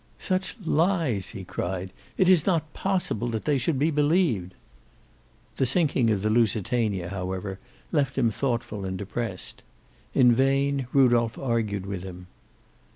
"Such lies!" he cried. "It is not possible that they should be believed." The sinking of the Lusitania, however, left him thoughtful and depressed. In vain Rudolph argued with him.